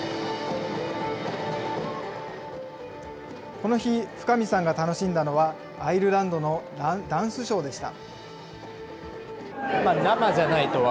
この日、深美さんが楽しんだのはアイルランドのダンスショーでした。